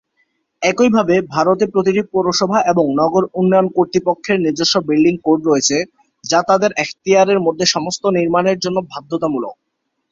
একইভাবে, ভারতে, প্রতিটি পৌরসভা এবং নগর উন্নয়ন কর্তৃপক্ষের নিজস্ব বিল্ডিং কোড রয়েছে, যা তাদের এখতিয়ারের মধ্যে সমস্ত নির্মাণের জন্য বাধ্যতামূলক।